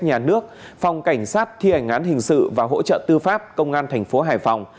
nhà nước phòng cảnh sát thi hành án hình sự và hỗ trợ tư pháp công an thành phố hải phòng